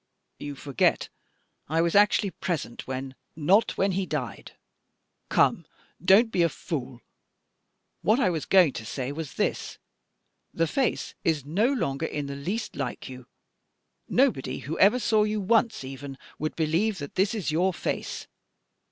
You forget I was actually present when " "Not when he died. Come, don't be a fool. What I was going to say was this: The face is no longer in the least like you. Nobody who ever saw you once even would believe that this is your face.